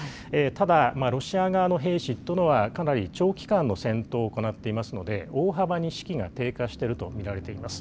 ただ、ロシア側の兵士というのはかなり長期間の戦闘を行っていますので、大幅に士気が低下していると見られています。